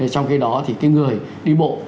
trong khi đó thì cái người đi bộ